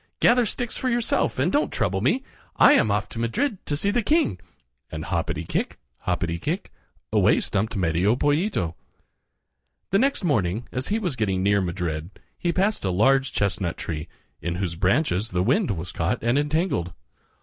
Gather sticks for yourself and don't trouble me. I am off to Madrid to see the king," and hoppity kick, hoppity kick, away stumped Medio Pollito. The next morning, as he was getting near Madrid, he passed a large chestnut tree, in whose branches the wind was caught and entangled.